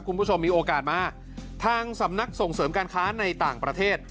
คุณผู้ชมมีโอกาสมาทางสำนักส่งเสริมการค้าในต่างประเทศ